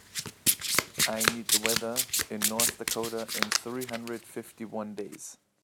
I need the weather in North Dakota in three hundred fifty one days